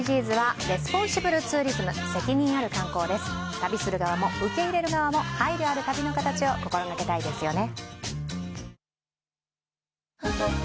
旅する側も受け入れる側も配慮ある旅の形を心がけたいですよね。